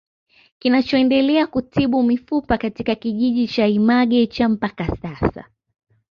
Kinachoendelea kutibu mifupa katika kijiji cha Image cha mpaka sasa